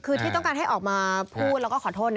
คือที่ต้องการให้ออกมาพูดแล้วก็ขอโทษ